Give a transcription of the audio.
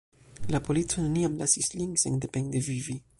La polico neniam lasis lin sendepende vivi.